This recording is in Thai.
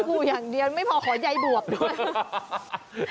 หูอย่างเดียวไม่พอขอใยบวบด้วย